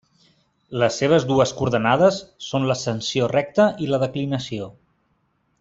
Les seves dues coordenades són l'ascensió recta i la declinació.